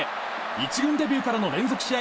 １軍デビューからの連続試合